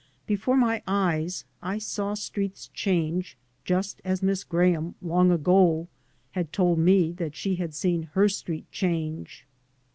Before nty eyes I saw streets change just as Miss Graham, long ago, had told me that she had seen her street change.